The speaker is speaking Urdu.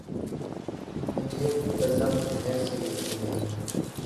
مجھے بزم دہر سے لے چلے